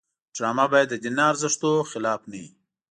ډرامه باید د دیني ارزښتونو خلاف نه وي